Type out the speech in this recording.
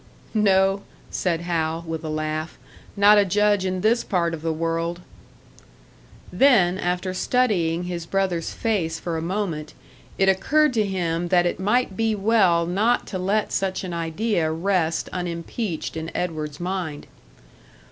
"No," said Hal, with a laugh "not a judge in this part of the world!" Then, after studying his brother's face for a moment, it occurred to him that it might be well not to let such an idea rest unimpeached in Edward's mind.